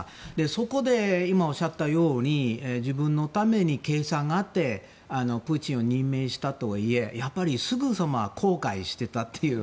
そこで、今おっしゃったように自分のために計算があってプーチンを任命したとはいえやっぱり、すぐさま後悔していたという。